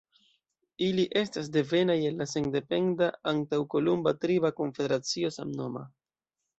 Ili estas devenaj el la sendependa antaŭkolumba triba konfederacio samnoma.